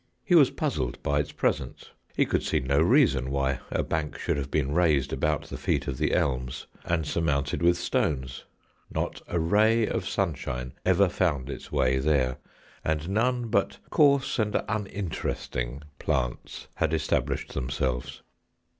He was puzzled by its presence; he could see no reason why a bank should have been raised about the feet of the elms, and surmounted with stones; not a ray of sunshine ever found its way there, and none but coarse and un interesting plants had established themselves.